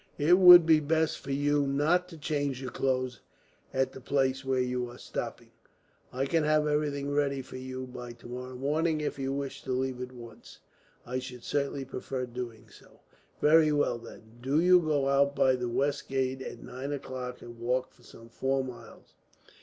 "It would be best for you not to change your clothes at the place where you are stopping. I can have everything ready for you by tomorrow morning, if you wish to leave at once." "I should certainly prefer doing so." "Very well, then. Do you go out by the west gate, at nine o'clock, and walk for some four miles.